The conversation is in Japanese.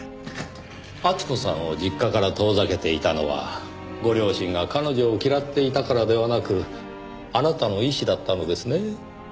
厚子さんを実家から遠ざけていたのはご両親が彼女を嫌っていたからではなくあなたの意思だったのですねぇ。